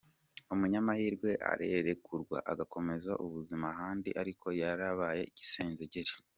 Umunyamahirwe ararekurwa, agakomereza ubuzima ahandi ariko yarabaye igisenzegeri.